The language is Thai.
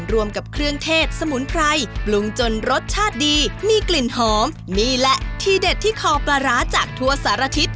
รสชาติดีมีกลิ่นหอมนี่แหละที่เด็ดที่ขอปลาร้าจากทั่วสารทิศ